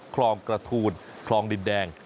คลองกระทูลคลองดินแดง